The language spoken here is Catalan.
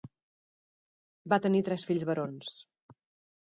Va tenir tres fills barons?